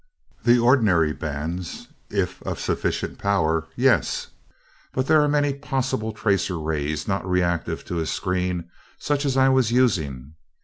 "The ordinary bands, if of sufficient power, yes. But there are many possible tracer rays not reactive to a screen such as I was using.